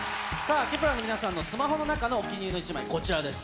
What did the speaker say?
Ｋｅｐ１ｅｒの皆さんのスマホの中のお気に入りの１枚、こちらです。